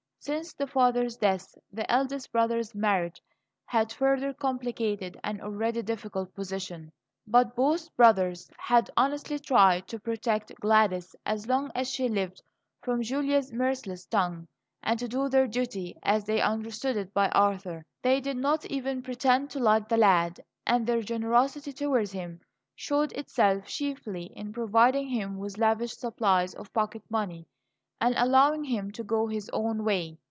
Since the father's death the eldest brother's marriage had further complicated an already difficult position; but both brothers had honestly tried to protect Gladys, as long as she lived, from Julia's merciless tongue, and to do their duty, as they understood it, by Arthur. They did not even pretend to like the lad, and their generosity towards him showed itself chiefly in providing him with lavish supplies of pocket money and allowing him to go his own way.